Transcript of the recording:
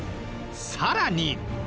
さらに。